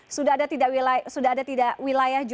sudah ada tidak wilayah